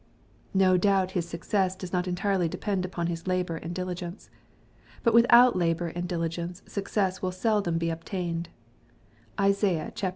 No doubt his success does not entirely depend upon his labor and diligence. But without labor and diligence success will seldom be obtained. (Isai. xxxii.